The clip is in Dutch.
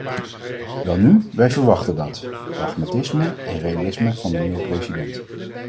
Welnu, wij verwachten dat pragmatisme en realisme van de nieuwe president.